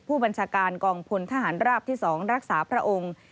ผู้บัญชาการกองพลทหารราบที่๒รักษาพระองค์